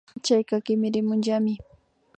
Chayka kimirimunllami